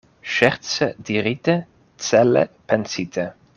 Ŝerce dirite, cele pensite.